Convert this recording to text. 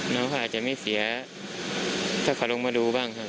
น้องเขาอาจจะไม่เสียถ้าเขาลงมาดูบ้างครับ